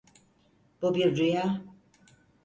Bu bir rüya.